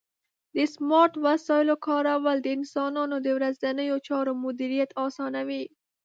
د سمارټ وسایلو کارول د انسانانو د ورځنیو چارو مدیریت اسانوي.